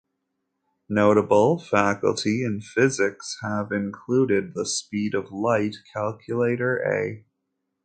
Notable faculty in physics have included the speed of light calculator A.